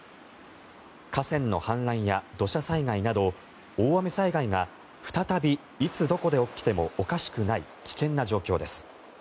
河川の氾濫や土砂災害など大雨災害が再び、いつどこで起きてもおかしくない危険な状況です。